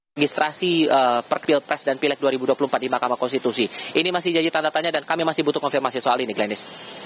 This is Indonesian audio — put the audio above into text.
registrasi perpilpres dan pilek dua ribu dua puluh empat di mahkamah konstitusi ini masih jadi tanda tanya dan kami masih butuh konfirmasi soal ini glenis